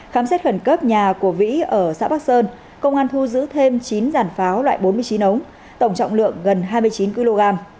khám xét khẩn cấp nhà của vĩ ở xã bắc sơn công an thu giữ thêm chín giản pháo loại bốn mươi chín ống tổng trọng lượng gần hai mươi chín kg